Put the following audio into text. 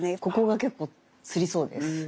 ここが結構つりそうです。